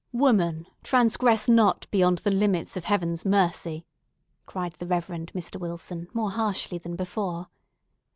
"Woman, transgress not beyond the limits of Heaven's mercy!" cried the Reverend Mr. Wilson, more harshly than before.